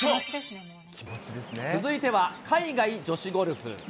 続いては海外女子ゴルフ。